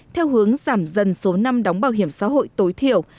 theo hướng giảm dần số năm đóng bảo hiểm xã hội tối thiểu